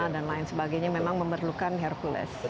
dan lain sebagainya memang memerlukan hercules